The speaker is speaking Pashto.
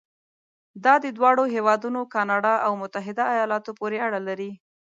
دا د دواړو هېوادونو کانادا او متحده ایالاتو پورې اړه لري.